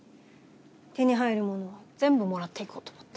手に入るものは全部もらっていこうと思って。